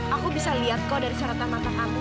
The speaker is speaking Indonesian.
aku bisa lihat kau dari serta mata kamu